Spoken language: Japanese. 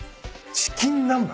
チキン南蛮。